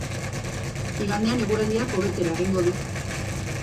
Igandean eguraldiak hobetzera egingo du.